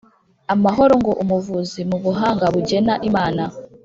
amahoro ngo umuvuzi mu buhanga bugena imana